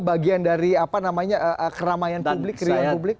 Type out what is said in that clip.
bagian dari keramaian publik kereoan publik